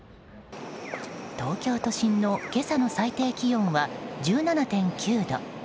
東京都心の今朝の最低気温は１７．９度。